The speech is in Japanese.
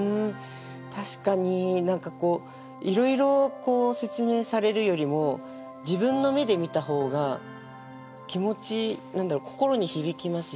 確かに何かこういろいろ説明されるよりも自分の目で見た方が気持ち何だろ心に響きますよね。